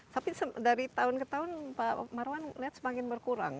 tapi dari tahun ke tahun pak marwan lihat semakin berkurang